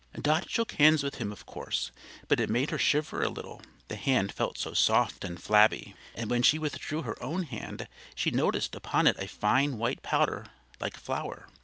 Dot shook hands with him, of course; but it made her shiver a little, the hand felt so soft and flabby; and when she withdrew her own hand she noticed upon it a fine white powder like flour.